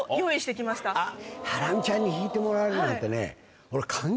ハラミちゃんに弾いてもらえるなんてね俺。